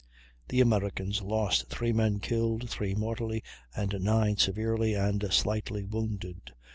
The Americans lost 3 men killed, 3 mortally, and 9 severely and slightly, wounded.